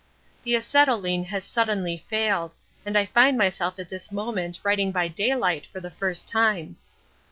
The acetylene has suddenly failed, and I find myself at this moment writing by daylight for the first time.